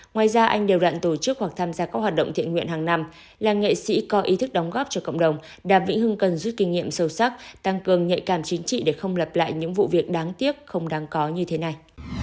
ngoài ra anh đều đặn tổ chức hoặc tham gia các hoạt động thiện nguyện hàng năm là nghệ sĩ có ý thức đóng góp cho cộng đồng đàm vĩnh hưng cần rút kinh nghiệm sâu sắc tăng cường nhạy cảm chính trị để không lặp lại những vụ việc đáng tiếc không đáng có như thế này